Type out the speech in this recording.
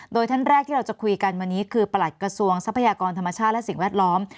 โดยท่านแรกที่เราจะคุยกันวันนี้คือประหลัดกระทรวงทรัพยากรธรรมชาติและสิ่งแวดล้อม